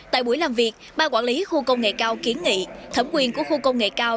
tại buổi làm việc ba quản lý khu công nghệ cao kiến nghị thẩm quyền của khu công nghệ cao